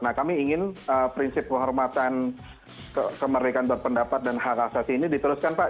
nah kami ingin prinsip penghormatan kemerdekaan berpendapat dan hak asasi ini diteruskan pak